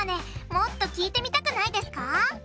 もっと聞いてみたくないですか？